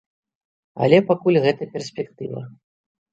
Але пакуль гэта перспектыва.